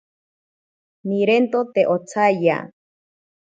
Nirento te otsaiya.